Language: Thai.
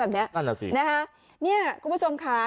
แบบนี้นี่คุณผู้ชมค่ะ